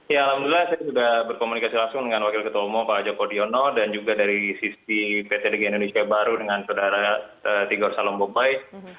ya alhamdulillah saya sudah berkomunikasi langsung dengan wakil ketua umum pak joko diono dan juga dari sisi pt digi indonesia baru dengan saudara tigor salomboi